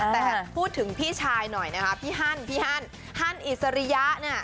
แต่พูดถึงพี่ชายหน่อยนะคะพี่ฮั่นพี่ฮั่นฮั่นอิสริยะเนี่ย